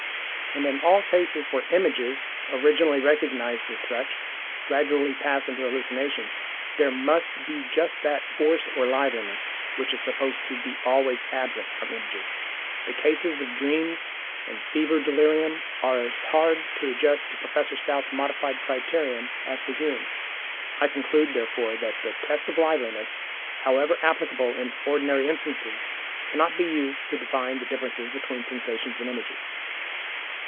And in all cases where images, originally recognized as such, gradually pass into hallucinations, there must be just that "force or liveliness" which is supposed to be always absent from images. The cases of dreams and fever delirium are as hard to adjust to Professor Stout's modified criterion as to Hume's. I conclude therefore that the test of liveliness, however applicable in ordinary instances, cannot be used to define the differences between sensations and images.